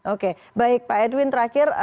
oke baik pak edwin terakhir